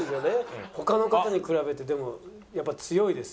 「他の方に比べてでもやっぱ強いです」。